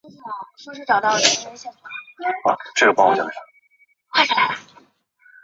狭裂山西乌头为毛茛科乌头属下的一个变种。